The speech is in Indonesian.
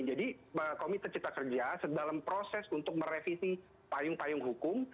komite cipta kerja dalam proses untuk merevisi payung payung hukum